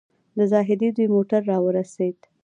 د زاهدي دوی موټر راورسېد.